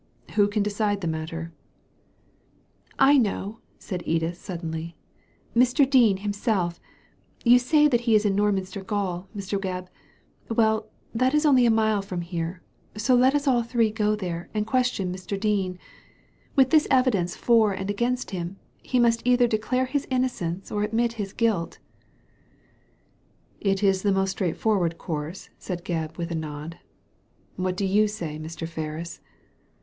Who can decide the matter ?"« I know !" said Edith, suddenly— •' Mr. Dean him self You say that he is in Norminster gaol, Mn Gebb. Well, that is only a mile from here, so let us all three go there and question Mr. Dean. With Digitized by Google THE CONVICTS DEFENCE 235 this evidence for and against him, he must either declare his innocence or admit his guilt" '^ It is the most straightforward course/' said Gebb, with a nod. " What do you say, Mr. Ferris